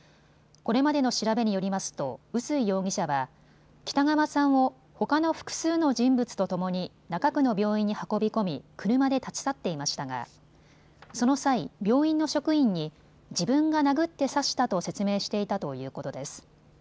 これまでの調べによりますと臼井容疑者は北川さんをほかの複数の人物とともに中区の病院に運び込み、車で立ち去っていましたがその際、病院の職員に自分が殴って刺したと説明していたということです。